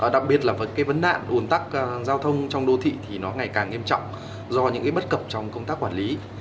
đặc biệt là cái vấn nạn ồn tắc giao thông trong đô thị thì nó ngày càng nghiêm trọng do những cái bất cập trong công tác quản lý